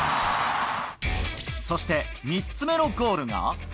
そして３つ目のゴールが。